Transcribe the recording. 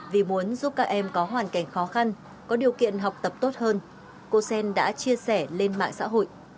vì muốn giúp các em có hoàn cảnh khó khăn có điều kiện học tập tốt hơn cô sen đã chia sẻ lên mạng xã hội